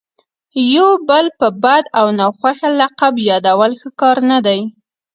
یو بل په بد او ناخوښه لقب یادول ښه کار نه دئ.